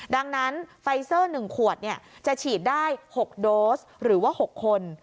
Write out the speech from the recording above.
ดังนั้นไฟเซอร์๑ขวดจะฉีดได้๖โดสหรือว่า๖คน